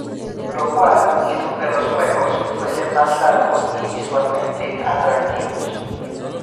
Lo cual hizo que los juegos fuesen más largos y visualmente atractivos.